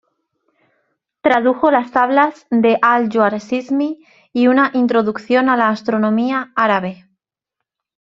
Tradujo las tablas de al-Jwārizmī y una "Introducción a la astronomía" árabe.